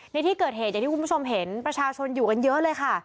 ในที่เกิดเหตุอย่างที่คุณผู้ชมเห็นประชาชนอยู่กันเยอะเลยค่ะ